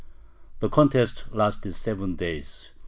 The contest lasted seven days.